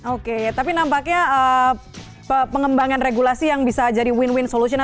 oke tapi nampaknya pengembangan regulasi yang bisa jadi win win solution